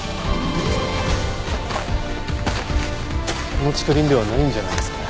この竹林ではないんじゃないですかね。